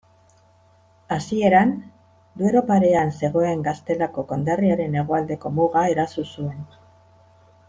Hasieran, Duero parean zegoen Gaztelako konderriaren hegoaldeko muga eraso zuen.